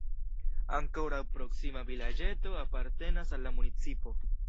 Ankoraŭ proksima vilaĝeto apartenas al la municipo.